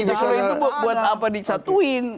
kalau itu buat apa disatuin